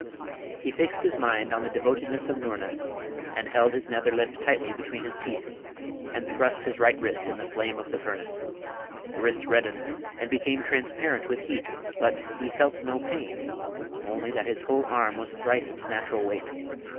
He fixed his mind on the devotedness of Noorna, and held his nether lip tightly between his teeth, and thrust his right wrist in the flame of the furnace. The wrist reddened, and became transparent with heat, but he felt no pain, only that his whole arm was thrice its natural weight.